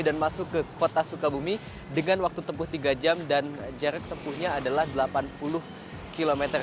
dan masuk ke kota sukabumi dengan waktu tempuh tiga jam dan jarak tempuhnya adalah delapan puluh km